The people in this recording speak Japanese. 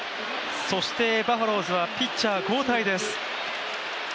そしてバファローズはピッチャー交代です。